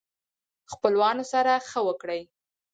خپلوانو سره ښه وکړئ